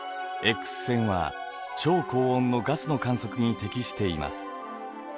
Ｘ線は超高温のガスの観測に適しています。